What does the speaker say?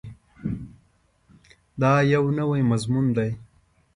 دا یو نوی مضمون دی.